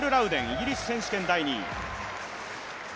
イギリス選手権第２位。